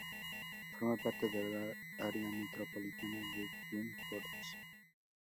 Forma parte del área metropolitana de Twin Ports.